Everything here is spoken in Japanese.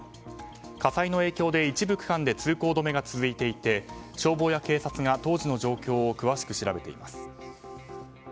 火災の影響で一部区間で通行止めが続いていて消防や警察が当時の状況を詳しく調べています。